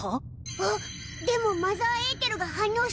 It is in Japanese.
あっでもマザーエーテルが反応してるよ。